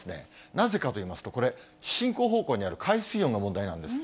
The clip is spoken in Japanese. なぜかといいますと、これ、進行方向にある海水温の問題なんです。